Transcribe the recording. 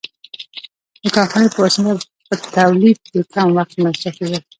د کارخانې په وسیله په تولید کم وخت مصرفېده